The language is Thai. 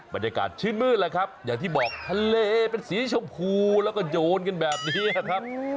บรรยากาศชื่นมืดแหละครับอย่างที่บอกทะเลเป็นสีชมพูแล้วก็โยนกันแบบนี้ครับ